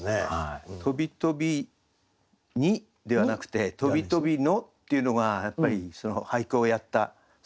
「とびとびに」ではなくて「とびとびの」っていうのがやっぱり俳句をやった素十。